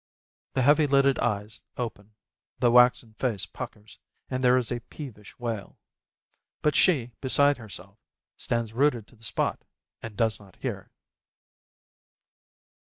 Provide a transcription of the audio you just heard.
The heavy lidded eyes open, the waxen face puckers, and there is a peevish wail. But she, beside herself, stands rooted to the spot, and does not hear.